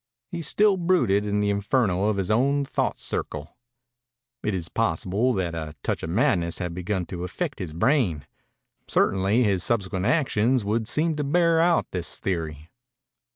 He still brooded in the inferno of his own thought circle. It is possible that a touch of madness had begun to affect his brain. Certainly his subsequent actions would seem to bear out this theory.